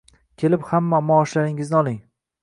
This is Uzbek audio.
Kelib hamma maoshlaringizni oling.